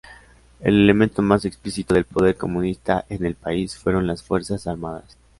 El elemento más explícito del poder comunista en el país fueron las fuerzas armadas.